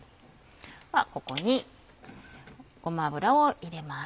ではここにごま油を入れます。